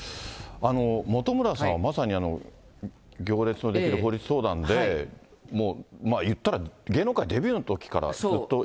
本村さんは、まさに行列のできる法律相談で、もう、言ったら芸能界デビューのときからずっと一緒に。